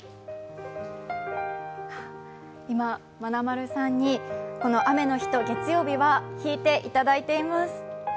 今、まなまるさんに「雨の日と月曜日は」を弾いていただいています。